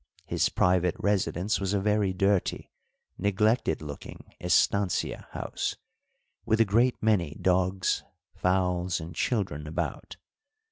His private residence was a very dirty, neglected looking estancia house, with a great many dogs, fowls, and children about.